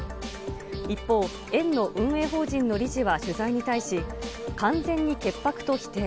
一方、園の運営法人の理事は取材に対し、完全に潔白と否定。